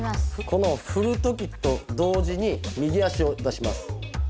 このふるときと同時に右足を出します。